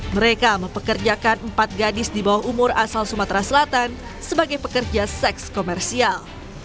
mereka mempekerjakan empat gadis di bawah umur asal sumatera selatan sebagai pekerja seks komersial